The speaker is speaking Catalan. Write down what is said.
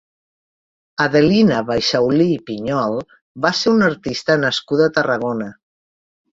Adelina Baixaulí Piñol va ser una artista nascuda a Tarragona.